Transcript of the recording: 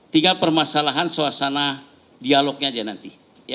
tinggal permasalahan suasana dialognya aja nanti